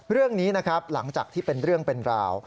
เรื่องนี้นะครับหลังจากที่เป็นเรื่องเป็นราว